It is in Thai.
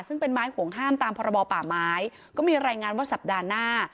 ซึ่งเป็นไม้ห่วงห้ามตามพรบป่าไม้ก็มีรายงานว่าสัปดาห์หน้า